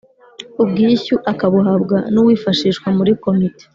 ubwishyu akabuhabwa n uwifashishwa muri komite